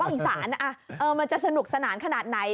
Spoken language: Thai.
อีสานมันจะสนุกสนานขนาดไหน